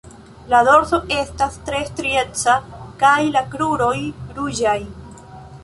La dorso estas tre strieca kaj la kruroj ruĝaj.